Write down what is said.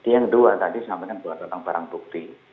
yang kedua tadi saya sampaikan buat datang barang bukti